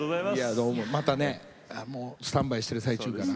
またねスタンバイしてる最中から。